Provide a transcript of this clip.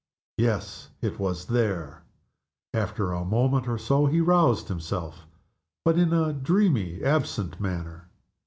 Yes; it was there. After a minute or so he roused himself, but in a dreamy, absent manner.